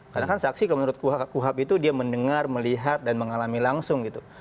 karena kan saksi kalau menurut kuhap itu dia mendengar melihat dan mengalami langsung gitu